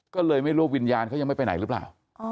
ก็เลยไม่รู้วิญญาณเขายังไม่ไปไหนหรือเปล่า